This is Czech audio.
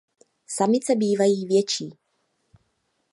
Samice bývají větší..